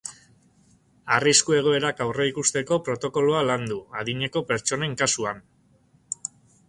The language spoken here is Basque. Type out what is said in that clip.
Arrisku egoerak aurreikusteko protokoloa landu, adineko pertsonen kasuan.